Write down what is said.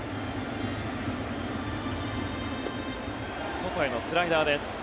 外へのスライダーです。